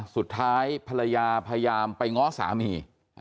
สุดท้ายภรรยาพยายามไปง้อสามี